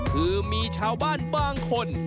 คือมีชาวบ้านบางคน